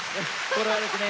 これはですね